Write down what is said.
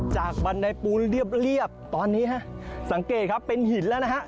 จากวันใดปูเรียบตอนนี้ครับสังเกตครับเป็นหินแล้วนะครับ